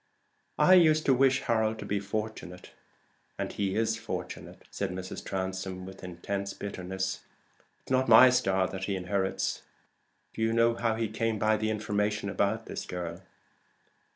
I used to wish Harold to be fortunate, and he is fortunate," said Mrs. Transome, with intense bitterness. "It's not my star that he inherits." "Do you know how he came by the information about this girl?"